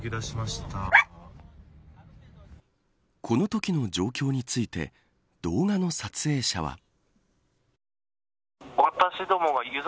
このときの状況について動画の撮影者は。